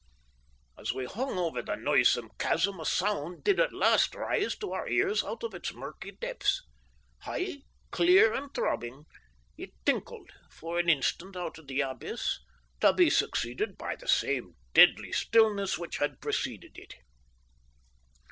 As we hung over the noisome chasm a sound did at last rise to our ears out of its murky depths. High, clear, and throbbing, it tinkled for an instant out of the abyss, to be succeeded by the same deadly stillness which had preceded it.